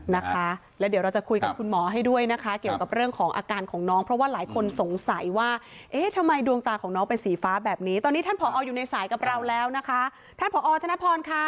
นะคะแล้วเดี๋ยวเราจะคุยกับคุณหมอให้ด้วยนะคะเกี่ยวกับเรื่องของอาการของน้องเพราะว่าหลายคนสงสัยว่าเอ๊ะทำไมดวงตาของน้องเป็นสีฟ้าแบบนี้ตอนนี้ท่านผออยู่ในสายกับเราแล้วนะคะท่านผอธนพรค่ะ